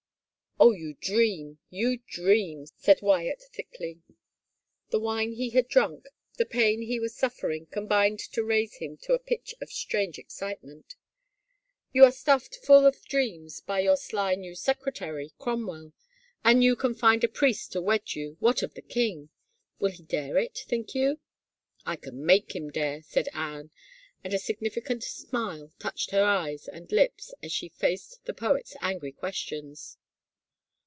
" Oh, you dream, you dream !" said Wyatt thickly. The wine he had drunk, the pain he was suffering, com bined to raise him to a pitch of strange excitement. " You are stuffed full of dreams by your sly new sec retary, Cromwell. An you can find a priest to wed you, what of the king? Will he dare it, think you —"*' I can make him dare," said Anne and a significant smile touched her eyes and lips as she faced the poet's angry questions.